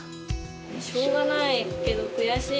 しょうがないけど悔しい。